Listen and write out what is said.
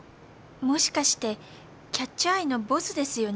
もしかしてキャッチュ・アイのボスですよね？